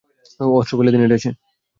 অস্ত্র ফেলে দিন - এটা সে।